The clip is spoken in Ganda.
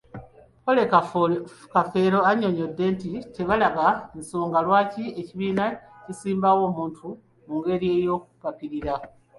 Polly Kafeero annyonnyodde nti tebalaba nsonga lwaki ekibiina kisimbawo omuntu mungeri y'okupapirira.